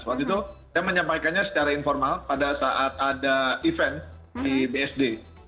waktu itu saya menyampaikannya secara informal pada saat ada event di bsd